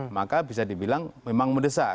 maka bisa dibilang memang mendesak